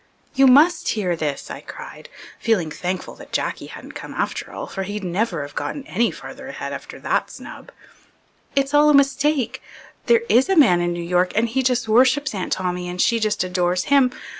"You must hear this," I cried, feeling thankful that Jacky hadn't come after all, for he'd never have got any further ahead after that snub. "It's all a mistake. There is a man in New York and he just worships Aunt Tommy and she just adores him.